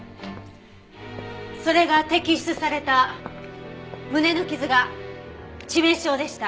それが摘出された胸の傷が致命傷でした。